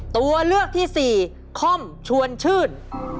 ตัวเลือกที่สี่ค่อมชวนชื่น